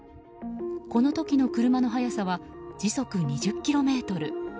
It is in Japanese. この時の車の速さは時速２０キロメートル。